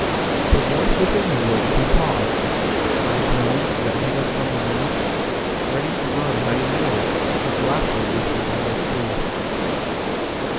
But once within the wood, we pausedLike gnomes that hid us from the moon, Ready to run to hiding newWith laughter when she found us soon.